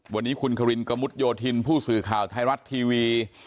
วันนี้คุณควินกระมุดโยธินผู้สื่อข่าวไทยรัฐทีวี